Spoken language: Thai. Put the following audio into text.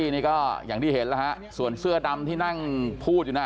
นี่ก็อย่างที่เห็นแล้วฮะส่วนเสื้อดำที่นั่งพูดอยู่น่ะ